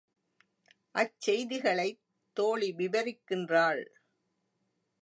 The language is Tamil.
அச்செய்திகளைத் தோழி விவரிக்கின்றாள்.